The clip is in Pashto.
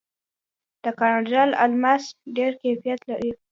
د کاناډا الماس ډیر کیفیت لري.